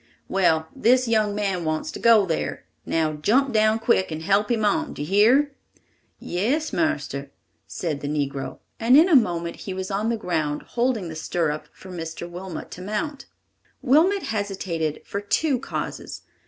"Well, this young man wants to go there. Now jump down quick and help him on. Do you hear?" "Yes, marster," said the negro, and in a moment he was on the ground, holding the stirrup for Mr. Wilmot to mount. Wilmot hesitated for two causes.